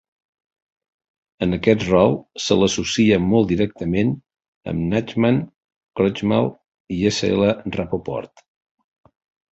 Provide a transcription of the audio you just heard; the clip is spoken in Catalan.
En aquest rol, se l'associa molt directament amb Nachman Krochmal i S.L. Rapoport.